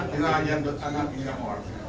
kerajaan bertanggung jawab